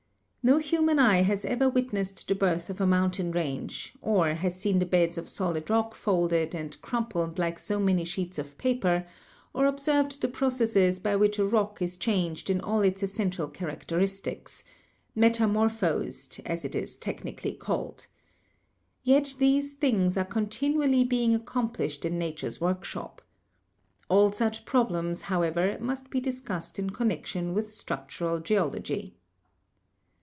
No human eye has ever witnessed the birth of a moun tain range, or has seen the beds of solid rock folded and crumpled like so many sheets of paper, or observed the processes by which a rock is changed in all its essential characteristics ; 'metamorphosed,' as it is technically called. Yet these things are continually being accomplished in Nature's workshop. All such problems, however, must be discussed in connection with structural geology.